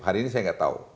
hari ini saya nggak tahu